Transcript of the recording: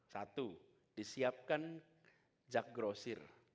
satu disiapkan jak grosir